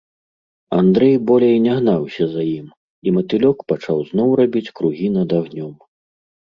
Андрэй болей не гнаўся за ім, і матылёк пачаў зноў рабіць кругі над агнём.